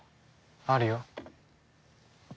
あるよ。